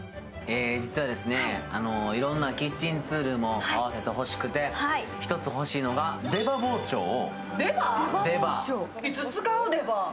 実はですね、いろんなキッチンツールも併せて欲しくて１つ欲しいのが出刃包丁を。